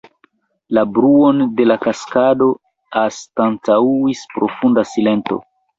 La bruon de la kaskado anstataŭis profunda silento.